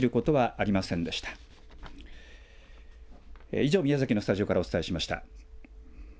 以上、宮崎のスタジオからお伝えしました。